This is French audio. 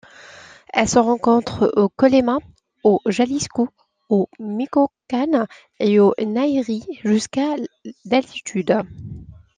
Elle se rencontre au Colima, au Jalisco, au Michoacán et au Nayarit jusqu'à d'altitude.